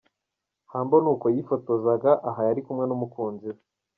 Humble n’uko yifotozaga aha yari kumwe n’umukunzi we.